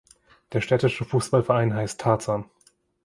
Der städtische Fußballverein heißt „Tarzan“.